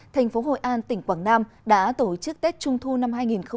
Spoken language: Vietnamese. thành phố hội an tỉnh quảng nam đã tổ chức tết trung thu năm hai nghìn hai mươi